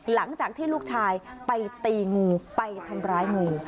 หลังจากที่ลูกชายไปตีงูไปทำร้ายงู